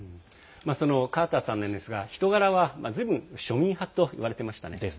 そのカーターさんなんですが人柄は、ずいぶん庶民派といわれていましたね。